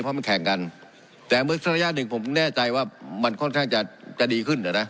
เพราะมันแข่งกันแต่เมื่อสักระยะหนึ่งผมแน่ใจว่ามันค่อนข้างจะจะดีขึ้นนะ